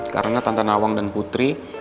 karena tante nawang dan putri